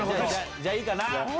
じゃあいいかな？